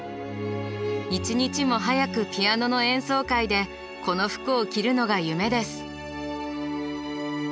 一日も早くピアノの演奏会でこの服を着るのが夢です。